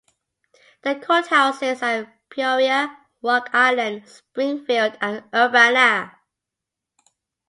The courthouses are in Peoria, Rock Island, Springfield, and Urbana.